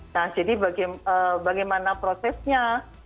nah jadi bagaimana prosesnya